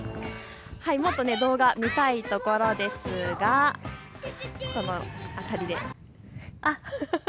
もっと動画見たいところですがこの辺りで。